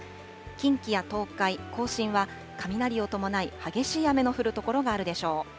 近畿や東海、甲信は、雷を伴い、激しい雨の降る所があるでしょう。